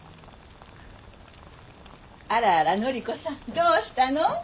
あらあら乃里子さんどうしたの？